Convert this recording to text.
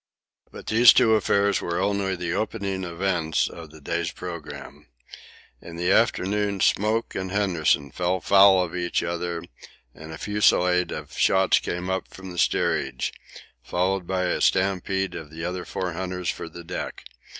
But these two affairs were only the opening events of the day's programme. In the afternoon Smoke and Henderson fell foul of each other, and a fusillade of shots came up from the steerage, followed by a stampede of the other four hunters for the deck.